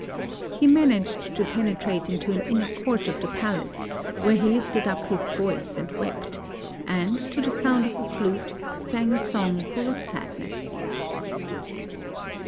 He managed to penetrate into an inner court of the pal ace, where he lifted up his voice and wept, and, to the sound of a lute, sang a song full of sadness.